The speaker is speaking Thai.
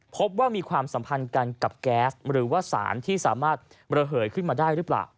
พบว่ามีความสัมพันธ์กันกับแก๊สหรือว่าสารที่สามารถระเหยขึ้นมาได้หรือเปล่า